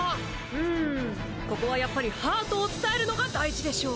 うんここはやっぱりハートを伝えるのが大事でしょう！